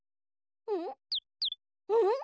うん？